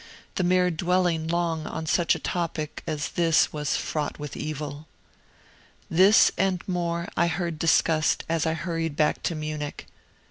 The mere dwelling long on such a topic as this was fraught with evil. This and more I heard discussed as I hurried back to Munich.